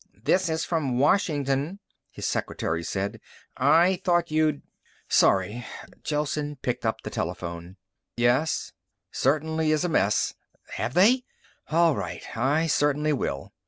"This is from Washington," his secretary said. "I thought you'd " "Sorry." Gelsen picked up the telephone. "Yes. Certainly is a mess ... Have they? All right, I certainly will."